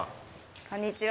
こんにちは。